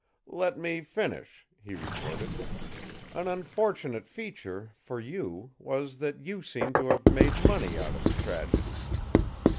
"Let me finish," he retorted. "An unfortunate feature, for you, was that you seemed to have made money out of the tragedy.